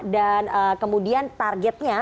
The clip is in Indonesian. dan kemudian targetnya